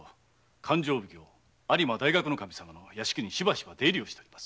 勘定奉行・有馬大学頭様の屋敷にしばしば出入りしております。